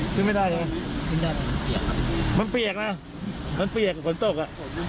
ขึ้นไม่ได้ไหมขึ้นได้ไหมมันเปียกมันเปียกมันตกอ่ะ